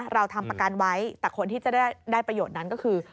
เราทำประกันไว้แต่คนที่จะได้ประโยชน์นั้นก็คือ